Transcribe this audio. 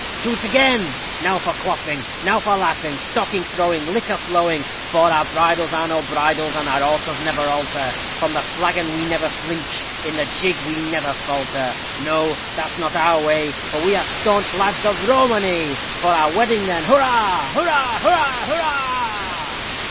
To 't again! Now for quaffing, Now for laughing, Stocking throwing, Liquor flowing; For our bridals are no bridles, and our altars never alter; From the flagon never flinch we, in the jig we never falter. No! that's not our way, for we Are staunch lads of Romany. For our wedding, then, hurrah! Hurrah! hurrah! hurrah!